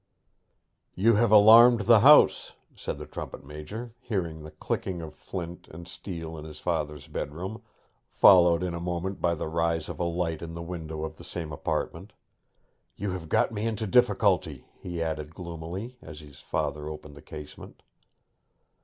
'You have alarmed the house,' said the trumpet major, hearing the clicking of flint and steel in his father's bedroom, followed in a moment by the rise of a light in the window of the same apartment. 'You have got me into difficulty,' he added gloomily, as his father opened the casement.